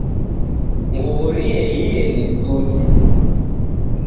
Nguwo rielie ni suti.